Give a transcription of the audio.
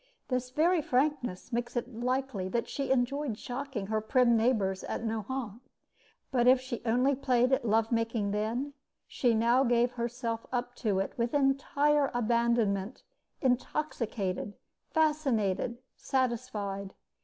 This very frankness makes it likely that she enjoyed shocking her prim neighbors at Nohant. But if she only played at love making then, she now gave herself up to it with entire abandonment, intoxicated, fascinated, satisfied.